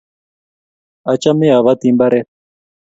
Achame abati mbaret